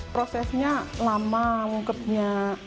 prosesnya lama mengungkepnya